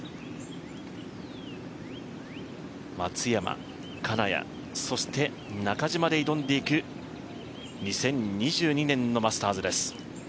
松山、金谷、そして中島で挑んでいく２０２２年のマスターズです。